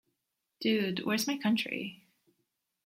Dude, Where's My Country?